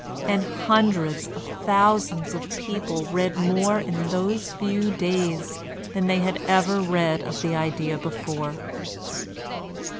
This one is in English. And hundreds of thousands of people read more in those few days than they had ever read of the idea before.